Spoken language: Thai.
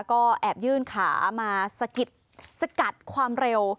ก็แอบยื่นขามาสะกิดสกัดความเร็ว